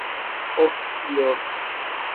ওহ, প্রিয়।